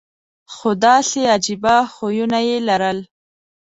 خو داسې عجیبه خویونه یې لرل.